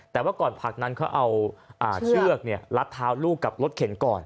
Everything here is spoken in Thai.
แต่ว่าก่อนผลักนั้นเขาเอาเชือกรัดเท้าลูกกับรถเข็นก่อน